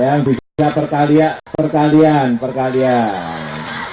yang bisa pertalia perkalian perkalian